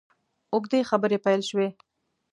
اوږدې خبرې پیل شوې.